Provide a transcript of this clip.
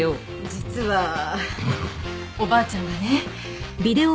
実はおばあちゃんがね。